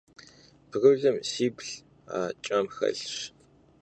Brulım şşibl ya ç'en xelhş.